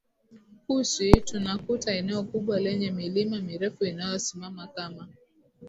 Kushi tunakuta eneo kubwa lenye milima mirefu inayosimama kama